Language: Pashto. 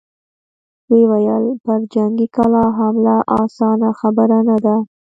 ويې ويل: پر جنګي کلا حمله اسانه خبره نه ده!